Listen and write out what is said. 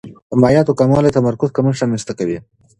مایعاتو کموالی د تمرکز کمښت رامنځته کوي.